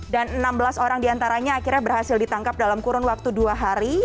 dan enam belas orang diantaranya akhirnya berhasil ditangkap dalam kurun waktu dua hari